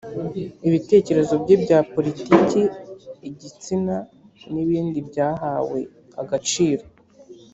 ibitekerezo bye bya politiki, igitsina ni bindi byahahwe agaciro.